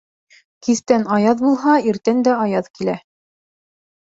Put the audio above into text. Кистән аяҙ булһа, иртән дә аяҙ килә.